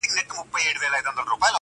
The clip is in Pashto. تل زاړه کفن کښان له خدایه غواړي!.